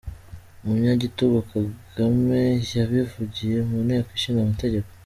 Umunyagitugu Kagame yabivugiye mu nteko ishinga mategeko.